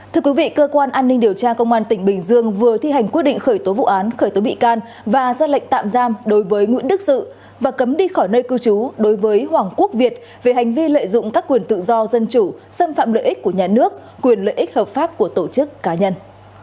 thưa quý vị cơ quan an ninh điều tra công an tỉnh bình dương vừa thi hành quyết định khởi tố vụ án khởi tố bị can và ra lệnh tạm giam đối với nguyễn đức dự và cấm đi khỏi nơi cư trú đối với hoàng quốc việt về hành vi lợi dụng các quyền tự do dân chủ xâm phạm lợi ích của nhà nước quyền lợi ích hợp pháp của tổ chức cá nhân